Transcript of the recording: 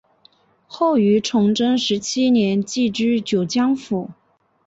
后于崇祯十七年寄居九江府。